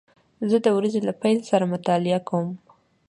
زه د ورځې له پیل سره مطالعه کوم.